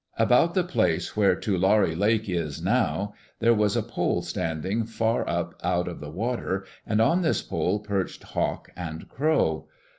About the place where Tulare Lake is now, there was a pole standing far up out of the water, and on this pole perched Hawk and Crow.